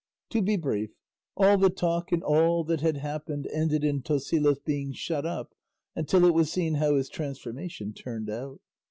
To be brief, all the talk and all that had happened ended in Tosilos being shut up until it was seen how his transformation turned out.